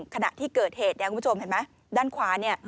ขณะที่เกิดเหตุด้านขวา